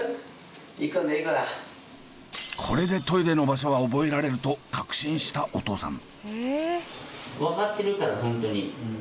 これでトイレの場所は覚えられると確信したお父さん。